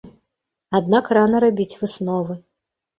Аднак рана рабіць высновы.